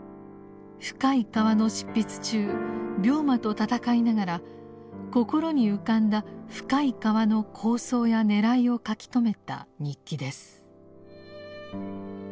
「深い河」の執筆中病魔と闘いながら心に浮かんだ「深い河」の構想やねらいを書き留めた日記です。